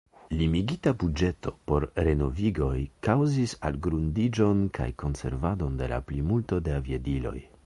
Limigita buĝeto por renovigoj kaŭzis algrundiĝon kaj konservadon de la plimulto de aviadiloj.